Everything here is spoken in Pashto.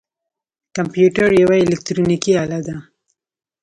کمپیوټر یوه الکترونیکی آله ده